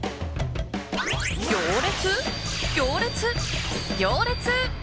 行列、行列、行列！